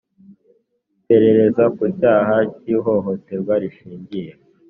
Iperereza ku cyaha cy ihohoterwa rishingiye